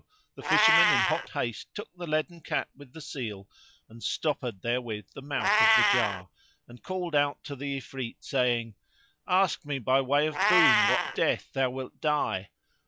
the Fisherman in hot haste took the leaden cap with the seal and stoppered therewith the mouth of the jar and called out to the Ifrit, saying, "Ask me by way of boon what death thou wilt die!